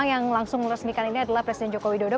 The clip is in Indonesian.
yang langsung meresmikan ini adalah presiden joko widodo